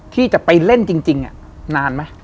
ที่จะไปเล่นจริงนานไหม